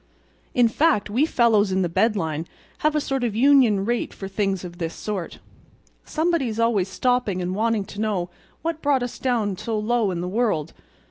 In fact, we fellows in the bed line have a sort of union rate for things of this sort. Somebody's always stopping and wanting to know what brought us down so low in the world.